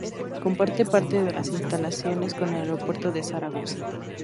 Comparte parte de las instalaciones con el Aeropuerto de Zaragoza.